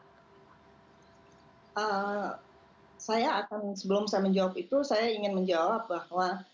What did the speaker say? nah saya akan sebelum saya menjawab itu saya ingin menjawab bahwa